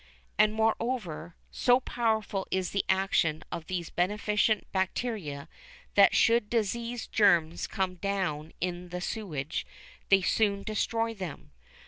And, moreover, so powerful is the action of these beneficent bacteria that should disease germs come down in the sewage they soon destroy them.